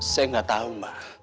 saya gak tau ma